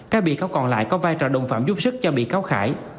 các bị cáo còn lại có vai trò đồng phạm giúp sức cho bị cáo khải